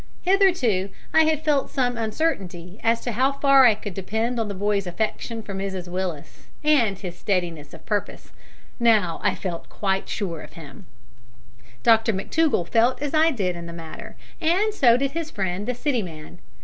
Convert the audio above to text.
Hitherto I had felt some uncertainty as to how far I could depend on the boy's affection for Mrs Willis, and his steadiness of purpose; now I felt quite sure of him. Dr McTougall felt as I did in the matter, and so did his friend the City man.